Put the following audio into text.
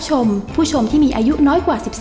สึกสุดที่รักครับ